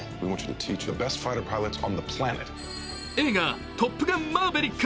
映画「トップガンマーヴェリック」。